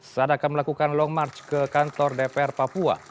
sadaka melakukan long march ke kantor dpr papua